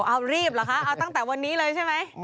เอารีบเหรอคะเอาตั้งแต่วันนี้เลยใช่ไหม